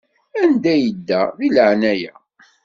Anda yedda, d laɛnaya.